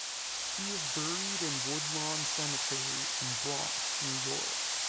He is buried in Woodlawn Cemetery in Bronx, New York.